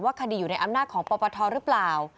คดีอยู่ในอำนาจของปปทหรือเปล่า